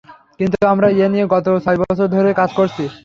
কিন্তু আমরা এ নিয়ে গত ছয় বছর ধরে কাজ করছি।